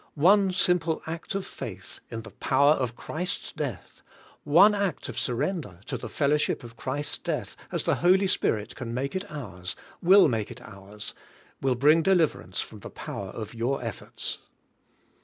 One simple act of faith in the power of Christ's death, one act of surrender to the fellowship of Christ's death as the Holy Spirit can make it ours, will make it ours, will bring deliverance from the power of your efforts.